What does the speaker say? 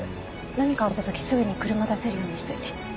何かあった時すぐに車出せるようにしといて。